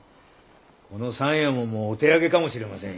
この三右衛門もお手上げかもしれません。